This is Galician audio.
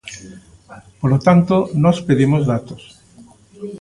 Polo tanto, nós pedimos datos.